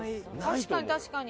確かに確かに。